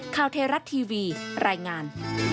คาวเทรัสทีวีรายงาน